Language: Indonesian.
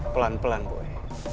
pelan pelan boy